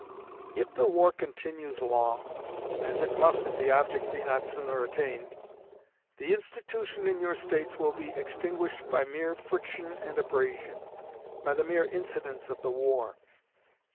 If the war continues long, as it must if the object be not sooner attained, the institution in your States will be extinguished by mere friction and abrasion, by the mere incidents of the war.